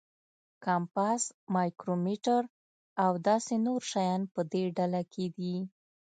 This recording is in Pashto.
کمپاس، مایکرومیټر او داسې نور شیان په دې ډله کې دي.